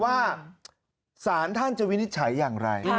สารท่านจะวินิจฉัยอย่างไร